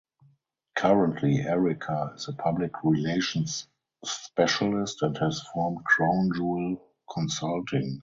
Currently, Ericka is a Public Relations Specialist and has formed Crown Jewel Consulting.